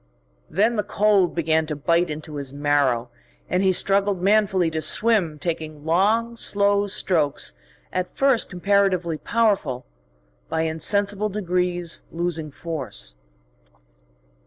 Then the cold began to bite into his marrow, and he struggled manfully to swim, taking long, slow strokes, at first comparatively powerful, by insensible degrees losing force.